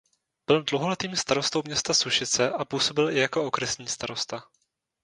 Byl dlouholetým starostou města Sušice a působil i jako okresní starosta.